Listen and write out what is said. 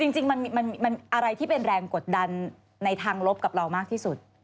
จริงมันอะไรที่เป็นแรงกดดันในทางลบกับเรามากที่สุด